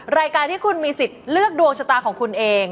รายการที่คุณมีสิทธิ์เลือกดวงชะตาของคุณเอง